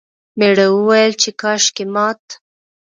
میړه وویل چې کاشکې مات...